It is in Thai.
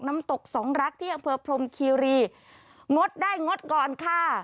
น้ำตกสองรักที่อำเภอพรมคีรีงดได้งดก่อนค่ะ